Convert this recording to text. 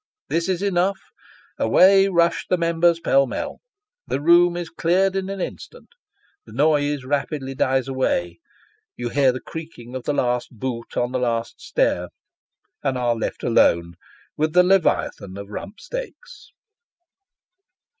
This is enough ; away rush the members pell mell. The room is cleared in an instant ; the noise rapidly dies away ; you hear the creaking of the last boot on the last stair, and are left alone with the leviathan of rump steaks.